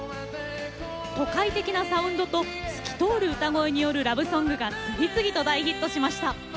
都会的なサウンドと透き通る歌声によるラブソングが次々と大ヒットしました。